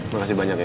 masih banyak ya